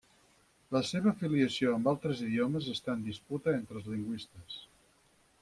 La seva filiació amb altres idiomes està en disputa entre els lingüistes.